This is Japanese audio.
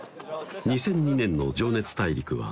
２００２年の「情熱大陸は」